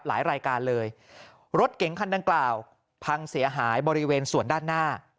หลายรายการเลยรถเก๋งคันดังกล่าวพังเสียหายบริเวณส่วนด้านหน้า